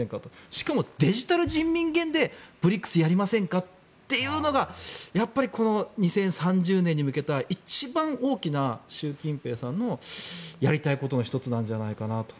しかも、デジタル人民元でＢＲＩＣＳやりませんかっていうのがやっぱり２０３０年に向けた一番大きな習近平さんのやりたいことの１つなんじゃないかなと。